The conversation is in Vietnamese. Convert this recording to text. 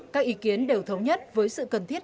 các ý kiến đều thống nhất với sự cần thiết